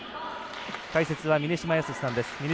解説は峰島靖さんです。